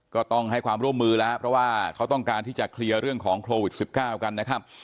ก็ต้องให้ความร่วมมือแล้วเพราะว่าเขาต้องการที่จะเคลียร์เรื่องของโควิด๑๙กันนะครับ